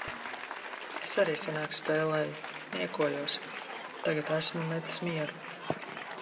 Es arī senāk spēlēju. Niekojos. Tagad esmu metis mieru.